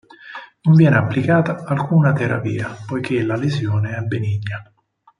Non viene applicata alcuna terapia poiché la lesione è benigna.